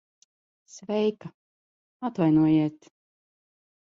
Sveika. Atvainojiet...